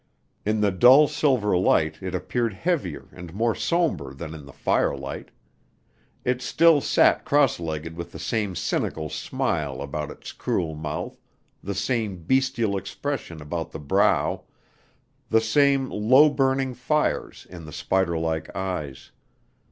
In the dull silver light it appeared heavier and more somber than in the firelight. It still sat cross legged with the same cynical smile about its cruel mouth, the same bestial expression about the brow, the same low burning fires in the spider like eyes.